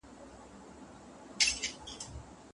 خصوصي سکتور ته باید پاملرنه وشي.